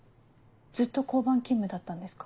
ずっと交番勤務だったんですか？